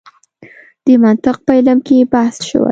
د منطق په علم کې بحث شوی.